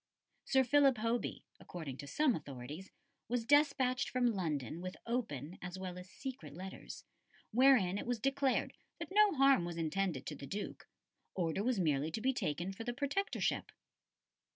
Sir Philip Hoby, according to some authorities, was despatched from London with open, as well as secret, letters, wherein it was declared that no harm was intended to the Duke; order was merely to be taken for the Protectorship.